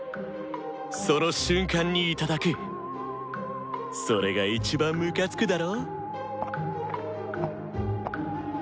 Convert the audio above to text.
その瞬間にいただくそれが一番ムカつくだろ？